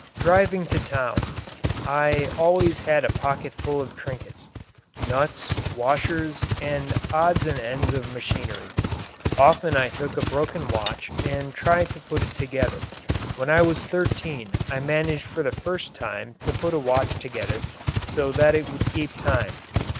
Driving to town I always had a pocket full of trinkets nuts, washers, and odds and ends of machinery. Often I took a broken watch and tried to put it together. When I was thirteen I managed for the first time to put a watch together so that it would keep time.